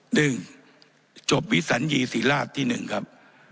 หนึ่งจบวิสัญญีศรีราชที่หนึ่งครับ